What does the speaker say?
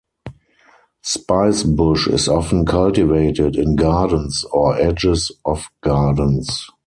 Spicebush is often cultivated in gardens or edges of gardens.